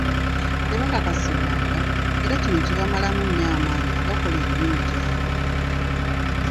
Tebakakasibwanga, era kino kibamalamu nnyo amaanyi agakola emirimu jabwe.